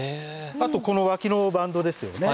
あとこの脇のバンドですよね。